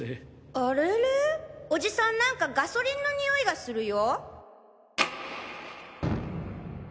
あれれおじさん何かガソリンのにおいがするよ？